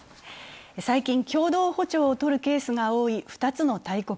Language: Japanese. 最近、共同歩調を取ることが多い２つの大国。